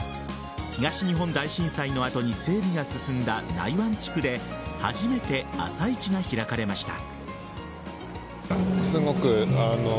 東日本大震災の後に整備が進んだ内湾地区で初めて朝市が開かれました。